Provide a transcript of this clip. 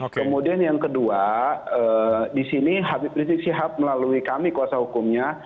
kemudian yang kedua di sini habib rizik sihab melalui kami kuasa hukumnya